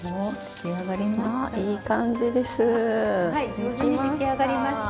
上手に出来上がりました。